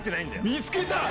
見つけた！